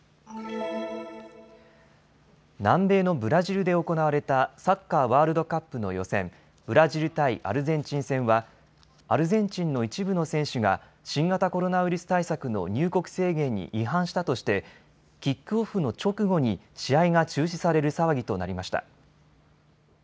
南米のブラジルで行われたサッカーワールドカップの予選、ブラジル対アルゼンチン戦はアルゼンチンの一部の選手が新型コロナウイルス対策の入国制限に違反したとしてキックオフの直後に試合が中止される騒ぎとなりました。